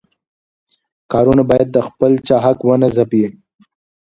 کارونه باید د بل چا حق ونه ځپي.